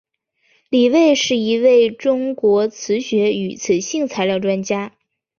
李卫是一位中国磁学与磁性材料专家。